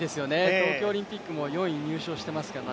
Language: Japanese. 東京オリンピックも４位入賞していますから。